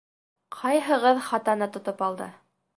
Ҡайһығыҙ хатаны тотоп алды?